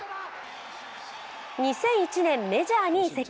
２００１年、メジャーに移籍。